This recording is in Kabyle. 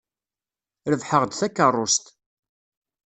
Rebḥeɣ-d takeṛṛust.